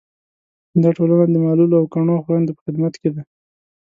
دا ټولنه د معلولو او کڼو خویندو په خدمت کې ده.